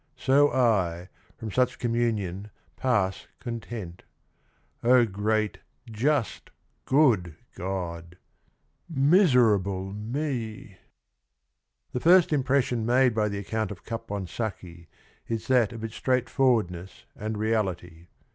So I, from such communion, pass content ... O great, just, good God ! Miserable me !" The first impression made by the account of Caponsacchi is that of its straightforwardness and reality.